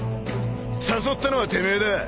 誘ったのはてめえだ